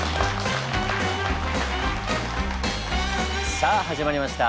さあ始まりました。